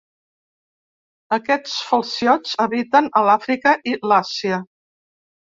Aquests falciots habiten a l'Àfrica i l'Àsia.